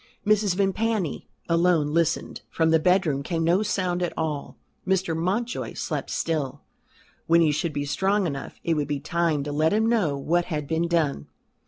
Mrs. Vimpany, alone, listened. From the bedroom came no sound at all. Mr. Mountjoy slept still. When he should be strong enough it would be time to let him know what had been done.